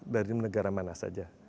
dari negara mana saja